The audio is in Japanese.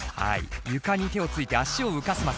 床に手をついて足を浮かせます。